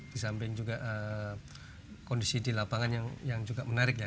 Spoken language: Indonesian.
di samping juga kondisi di lapangan yang juga menarik ya